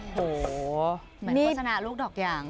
เหมือนประสานะลูกดอกอย่าง